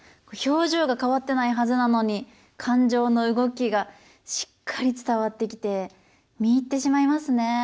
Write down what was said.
表情が変わってないはずなのに感情の動きがしっかり伝わってきて見入ってしまいますね。